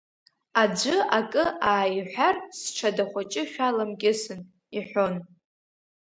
Аӡәы акы ааиҳәар сҽада хәыҷы шәаламкьысын, – иҳәон.